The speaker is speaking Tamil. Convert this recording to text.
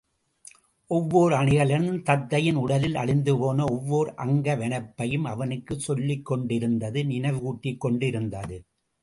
ஒவ்வோரணி கலனும் தத்தையின் உடலில் அழிந்துபோன ஒவ்வோர் அங்க வனப்பையும் அவனுக்குச் சொல்லிக் கொண்டிருந்தது நினைவூட்டிக் கொண்டிருந்தது.